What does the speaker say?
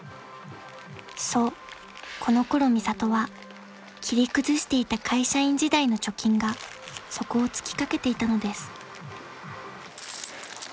［そうこのころミサトは切り崩していた会社員時代の貯金が底をつきかけていたのです］